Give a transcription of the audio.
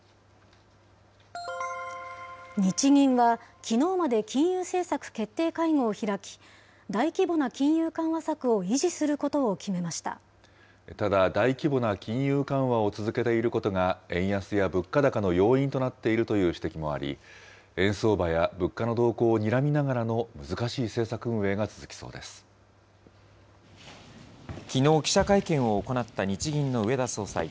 日銀は、きのうまで金融政策決定会合を開き、大規模な金融緩和策を維持すただ、大規模な金融緩和を続けていることが、円安や物価高の要因となっているという指摘もあり、円相場や物価の動向をにらみながらの難きのう、記者会見を行った日銀の植田総裁。